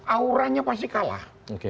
auranya pasti kalah